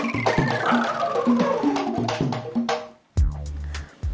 nanti kalau mau ketemu tinggal janjian aja